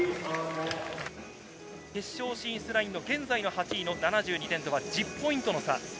決勝進出ラインの現在の８位の７２点とは１０ポイントの差。